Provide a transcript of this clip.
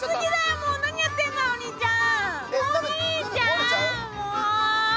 もうお兄ちゃん！